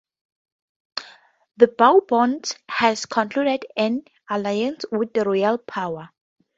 The Bourbons had concluded an alliance with the royal power.